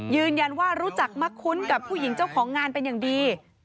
ยืนยันว่ารู้จักมะคุ้นกับผู้หญิงเจ้าของงานเป็นอย่างดี